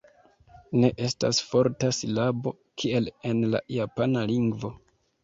Ne estas forta silabo, kiel en la japana lingvo.